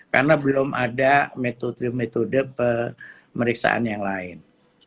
karena belum ada metode metode pemeriksaan yang lain